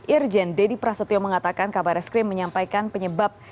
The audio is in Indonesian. irjen deddy prasetyo mengatakan kabar eskrim menyampaikan penyebab